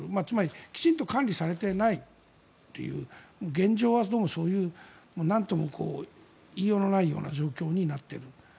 つまりきちんと管理されていないという現状はどうもそういう何とも言いようのない状況になっている。